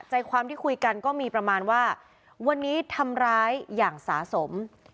ใจความที่คุยกันก็มีประมาณว่าวันนี้ทำร้ายอย่างสะสม